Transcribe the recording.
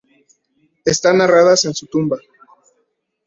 Están narradas en su tumba.